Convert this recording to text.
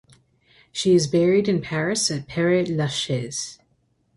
She is buried in Paris at Pere Lachaise.